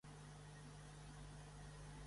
Era fill d'un militar de l'Armada.